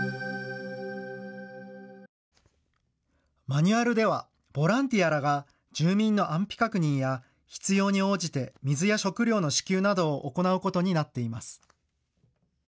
マニュアルではボランティアらが住民の安否確認や必要に応じて水や食料の支給などを行うことになっています。